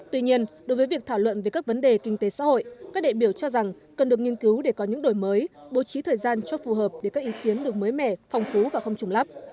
tuy nhiên đối với việc thảo luận về các vấn đề kinh tế xã hội các đại biểu cho rằng cần được nghiên cứu để có những đổi mới bố trí thời gian cho phù hợp để các ý kiến được mới mẻ phong phú và không trùng lắp